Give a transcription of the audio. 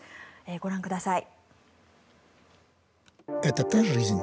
ご覧ください。